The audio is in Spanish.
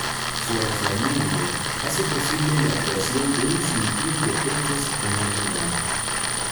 Su aislamiento hace posible la creación de un sinfín de ecos en el lugar.